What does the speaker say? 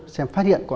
xem phát hiện có ai